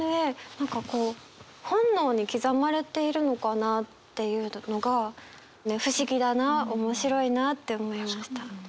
何かこう本能に刻まれているのかなっていうのが不思議だな面白いなって思いました。